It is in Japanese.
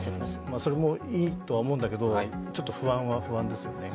それもいいとは思うんだけど、ちょっと不安は不安ですよね。